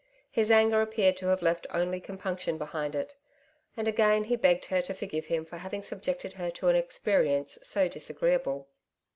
His anger appeared to have left only compunction behind it. And again he begged her to forgive him for having subjected her to an experience so disagreeable.